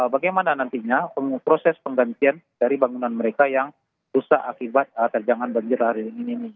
bagaimana nantinya proses penggantian dari bangunan mereka yang rusak akibat terjangan banjir hari ini